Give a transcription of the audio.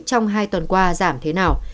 trong hai tuần qua giảm thế nào